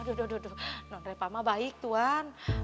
aduh aduh aduh non reva mah baik tuhan